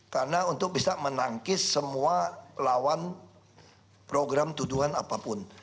karena untuk bisa menangkis semua lawan program tuduhan apapun